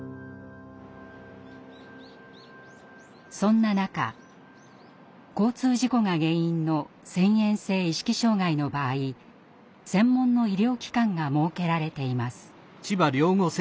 そんな中交通事故が原因の遷延性意識障害の場合専門の医療機関が設けられています。